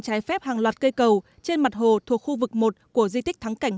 trái phép hàng loạt cây cầu trên mặt hồ thuộc khu vực một của di tích thắng cảnh